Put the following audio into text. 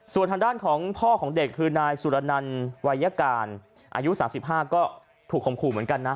ส่วนทางด้านของพ่อของเด็กคือนายสุรนันวัยยการอายุ๓๕ก็ถูกข่มขู่เหมือนกันนะ